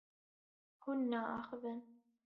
Hûn naaxivin.